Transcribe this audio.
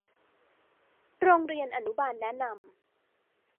โรงเรียนอนุบาลแนะนำ